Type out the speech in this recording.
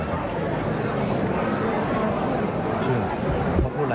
แต่ว่า